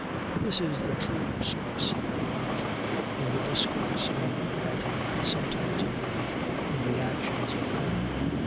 This is the true source of the wonderful in the discourse and writings, and sometimes, I believe, in the actions of men.